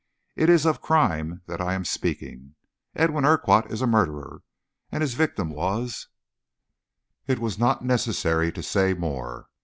It is of crime that I am speaking. Edwin Urquhart is a murderer, and his victim was " It was not necessary to say more.